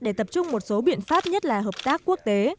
để tập trung một số biện pháp nhất là hợp tác quốc tế